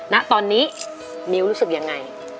ณตอนนี้มิ้วรู้สึกยังไง